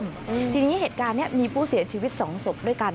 อืมทีนี้เหตุการณ์เนี้ยมีผู้เสียชีวิตสองศพด้วยกัน